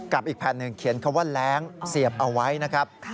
อีกแผ่นหนึ่งเขียนคำว่าแรงเสียบเอาไว้นะครับ